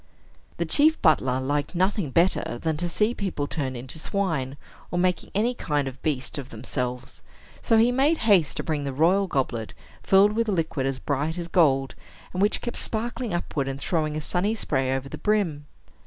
The chief butler liked nothing better than to see people turned into swine, or making any kind of a beast of themselves; so he made haste to bring the royal goblet, filled with a liquid as bright as gold, and which kept sparkling upward, and throwing a sunny spray over the brim.